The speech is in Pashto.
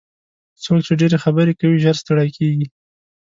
څوک چې ډېرې خبرې کوي ژر ستړي کېږي.